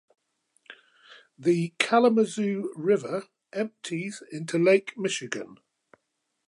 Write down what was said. The Kalamazoo River empties into Lake Michigan.